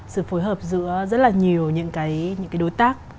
sự phối hợp giữa rất là nhiều những cái đối tác